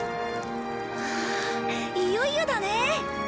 わあいよいよだね。